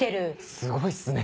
すごいっすね。